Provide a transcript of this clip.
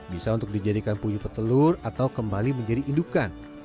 bisa untuk dijadikan puyuh petelur atau kembali menjadi indukan